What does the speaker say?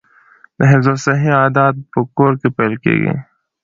د حفظ الصحې عادات په کور کې پیل کیږي.